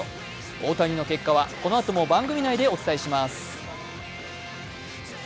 大谷の結果は、このあとも番組内でお伝えします。